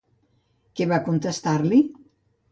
I què va contestar-li?